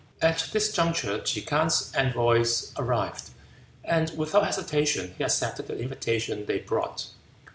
At this juncture Ke K'ang's envoys arrived, and without hesitation he accepted the invitation they brought.